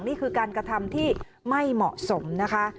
นี่คือการกระทำที่ไม่เหมาะสมนะคะ